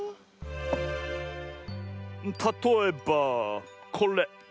たとえばこれ！